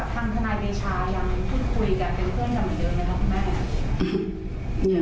กับทางธนายเกชายังพูดคุยกับเพื่อนกันเหมือนเดิมมั้ยครับคุณแม่